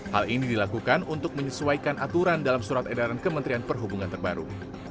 hal ini dilakukan untuk menyesuaikan aturan dalam surat edaran kementerian perhubungan terbaru